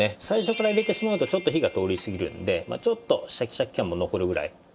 最初から入れてしまうとちょっと火が通りすぎるんでまあちょっとシャキシャキ感も残るぐらい。